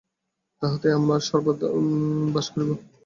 তাঁহাতেই আমরা সর্বদা বাস করিব।